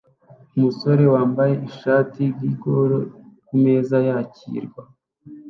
Umusore wambaye ishati "GIGOLO" kumeza yakirwa